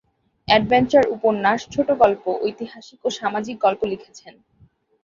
Adventure উপন্যাস, ছোটগল্প, ঐতিহাসিক ও সামাজিক গল্প লিখেছেন।